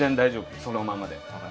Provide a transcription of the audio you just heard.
そのままで。